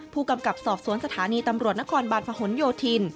ผู้กำกับสอบสวนสถานีตำรวจนครบาลพหนโยธิน